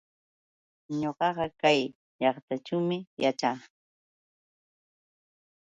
Ñuqaqa kay llaqtallaćhuumi yaćhaa.